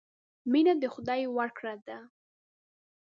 مینه د خدای ورکړه ده.